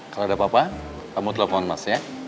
kalau ada apa apa kamu telepon mas ya